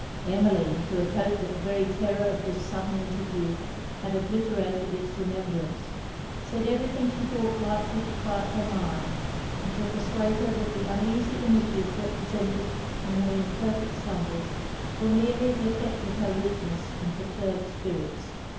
Emmeline, who had hoped that the very terror of this sudden interview had obliterated it's remembrance, said every thing she thought likely to quiet her mind, and to persuade her that the uneasy images represented in her imperfect slumbers were merely the effect of her weakness and perturbed spirits.